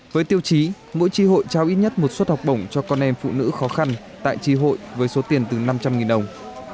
với tiêu chí mỗi tri hội trao ít nhất một suất học bổng cho con em phụ nữ khó khăn tại tri hội với số tiền từ năm trăm linh đồng